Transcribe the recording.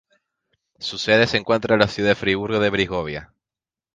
Su sede se encuentra en la ciudad de Friburgo de Brisgovia.